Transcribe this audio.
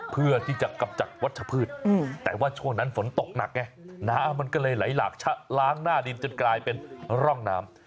เพื่อที่จะกำจัดวัชพืชแต่ว่าช่วงนั้นฝนตกหนักไงน้ำมันก็เลยไหลหลากชะล้างหน้าดินจนกลายเป็นร่องน้ำ